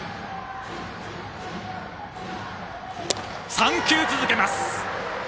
３球続けました。